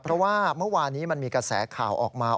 เพราะว่าเมื่อวานนี้มันมีกระแสข่าวออกมา